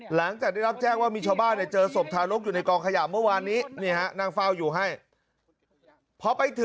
หลังจากได้รับแจ้งว่ามีชาวบ้านเจอศพทารกอยู่ในกองขยะเมื่อวานนี้นั่งเฝ้าอยู่ให้พอไปถึง